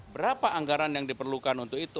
berapa anggaran yang diperlukan untuk itu